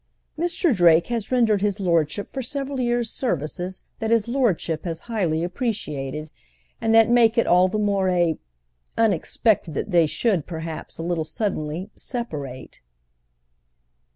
"Mr. Drake has rendered his lordship for several years services that his lordship has highly appreciated and that make it all the more—a—unexpected that they should, perhaps a little suddenly, separate."